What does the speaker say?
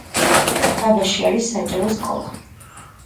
დაბაში არის საჯარო სკოლა.